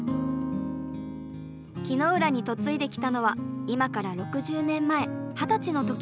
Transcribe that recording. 木ノ浦に嫁いできたのは今から６０年前二十歳の時。